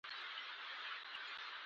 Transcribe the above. ژوند د هيلو پيل دی.